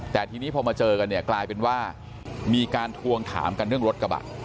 แต่ทีนี้พอมาเจอกันเนี่ยกลายเป็นว่ามีการทวงถามกันเรื่องรถกระบะ